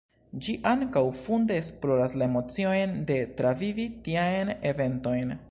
Ĝi ankaŭ funde esploras la emociojn de travivi tiajn eventojn.